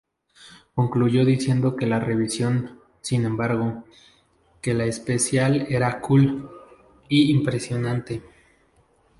Concluyó diciendo que la revisión, sin embargo, que la especial era "cool" y "impresionante".